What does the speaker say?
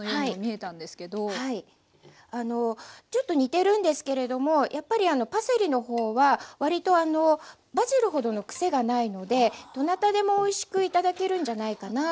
ちょっと似てるんですけれどもやっぱりパセリの方は割とバジルほどの癖がないのでどなたでもおいしく頂けるんじゃないかなと思います。